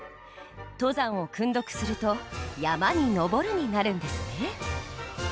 登山を訓読すると「山に登る」になるんですね。